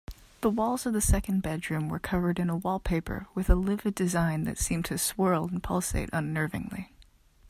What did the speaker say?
The walls of the second bedroom were covered in a wallpaper with a livid design that seemed to swirl and pulsate unnervingly.